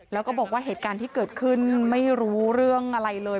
แล้วก็บอกว่าเหตุการณ์ที่เกิดขึ้นไม่รู้เรื่องอะไรเลย